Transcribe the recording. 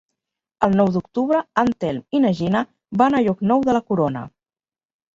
El nou d'octubre en Telm i na Gina van a Llocnou de la Corona.